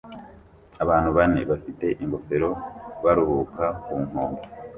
Abantu bane bafite ingofero baruhuka ku nkombe